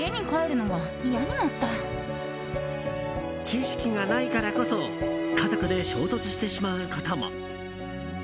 知識がないからこそ家族で衝突してしまうことも。